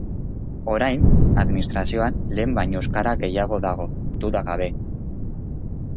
Orain, administrazioan, lehen baino euskara gehiago dago, duda gabe.